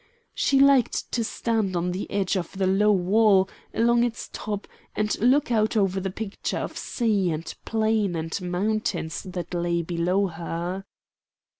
She liked to stand on the edge of the low wall along its top and look out over the picture of sea and plain and mountains that lay below her.